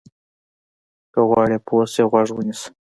که غواړې پوه شې، غوږ ونیسه.